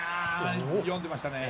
読んでましたね。